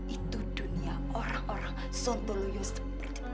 itu dunia orang orang sontoluyo seperti kamu